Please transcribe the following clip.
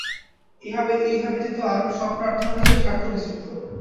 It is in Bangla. ইহা ব্যতীত আর সব প্রার্থনাই স্বার্থমিশ্রিত।